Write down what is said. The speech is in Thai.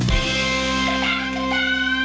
เพิ่มเวลา